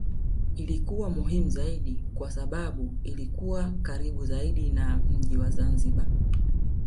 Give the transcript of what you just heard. Ilikuwa muhimu zaidi kwa sababu ilikuwa karibu zaidi na mji wa Zanzibar